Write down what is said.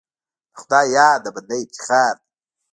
د خدای یاد د بنده افتخار دی.